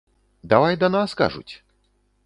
Давай да нас, кажуць.